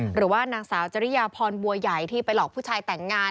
หรือว่านางสาวจริยาพรบัวใหญ่ที่ไปหลอกผู้ชายแต่งงาน